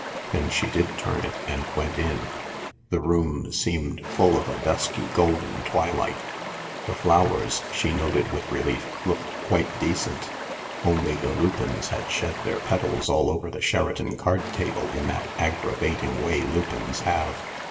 Then she did turn it, and went in. The room seemed full of a dusky golden twilight ; the flowers, she noted with relief, looked quite decent — only the lupins had shed their petals all over the Sheraton card table in that aggravating way lupins have.